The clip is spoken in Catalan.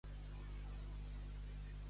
Per a què s'utilitzava l'orina, doncs?